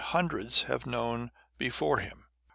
dreds have known before him.